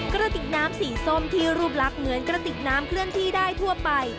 กระติกน้ำสีส้มที่รูปลักษณ์เหมือนกระติกน้ำเคลื่อนที่ได้ทั่วไป